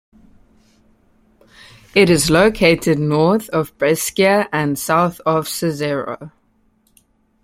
It is located north of Brescia and south of Sarezzo.